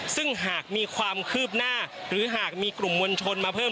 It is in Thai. ซึ่งหากมีความคืบหน้าหรือหากมีกลุ่มมวลชนมาเพิ่ม